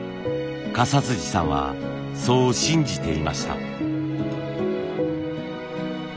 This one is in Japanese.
司さんはそう信じていました。